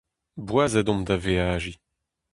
Boazet omp da veajiñ.